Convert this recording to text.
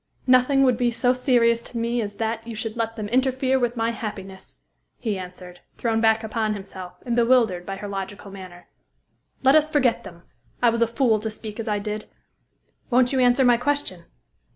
"Nothing would be so serious to me as that you should let them interfere with my happiness," he answered, thrown back upon himself, and bewildered by her logical manner. "Let us forget them. I was a fool to speak as I did. Won't you answer my question?"